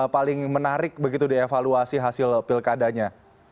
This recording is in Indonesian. paling menarik begitu dievaluasi hasil pilkadanya